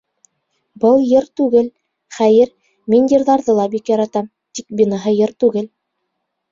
— Был йыр түгел, хәйер, мин йырҙарҙы ла бик яратам, тик быныһы йыр түгел.